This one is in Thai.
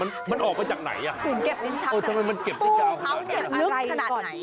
เฮ้ยแต่มันออกไปจากไหนตู้เขาเก็บลึกขนาดไหน